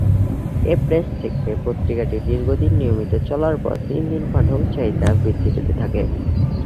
এ press থেকে পত্রিকাটি দীর্ঘদিন নিয়মিত চলার পর দিন দিন পাঠক চাহিদা বৃদ্ধি পেতে থাকে।